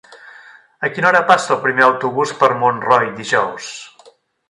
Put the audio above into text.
A quina hora passa el primer autobús per Montroi dijous?